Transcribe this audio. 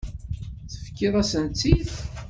Tefkiḍ-asent-tt-id.